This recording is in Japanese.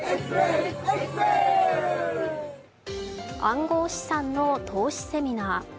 暗号資産の投資セミナー。